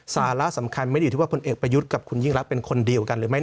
สาระสำคัญไม่ได้อยู่ที่ว่าพลเอกประยุทธ์กับคุณยิ่งรักเป็นคนเดียวกันหรือไม่